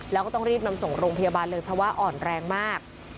แล้วก็ต้องรีบนำส่งโรงพยาบาลเลยเพราะว่าอ่อนแรงมาก